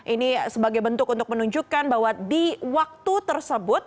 ini sebagai bentuk untuk menunjukkan bahwa di waktu tersebut